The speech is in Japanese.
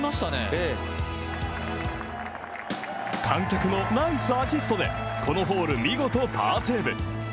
観客のナイスアシストでこのホール、見事パーセーブ。